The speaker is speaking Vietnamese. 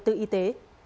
tư y tế